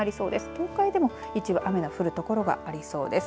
東海でも一部雨の降る所がありそうです。